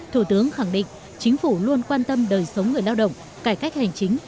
thủ tướng khẳng định chính phủ luôn quan tâm đời sống người lao động cải cách hành chính